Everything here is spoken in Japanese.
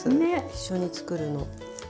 一緒に作るの。